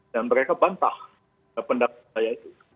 dan mereka bantah pendapat saya itu